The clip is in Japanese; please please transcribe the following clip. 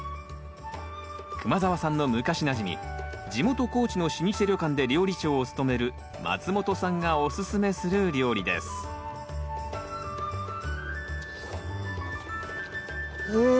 熊澤さんの昔なじみ地元高知の老舗旅館で料理長を務める松本さんがおすすめする料理ですうん！